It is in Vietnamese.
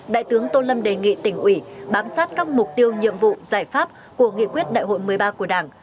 đại tướng tô lâm đề nghị tỉnh ủy bám sát các mục tiêu nhiệm vụ giải pháp của nghị quyết đại hội một mươi ba của đảng